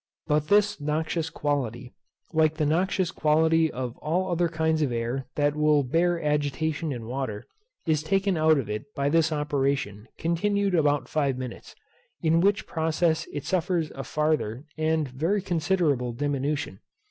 But this noxious quality, like the noxious quality of all other kinds of air that will bear agitation in water, is taken out of it by this operation, continued about five minutes; in which process it suffers a farther and very considerable diminution.